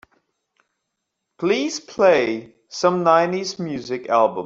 Please play some nineties music album.